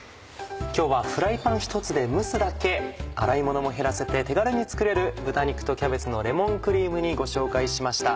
今日はフライパンひとつで蒸すだけ洗い物も減らせて手軽に作れる「豚肉とキャベツのレモンクリーム煮」ご紹介しました。